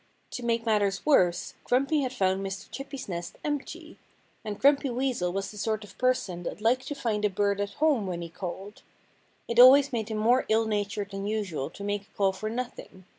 To make matters worse, Grumpy had found Mr. Chippy's nest empty. And Grumpy Weasel was the sort of person that liked to find a bird at home when he called. It always made him more ill natured than usual to make a call for nothing.